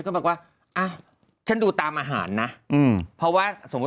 ของชิ้นน้องต้องลบออก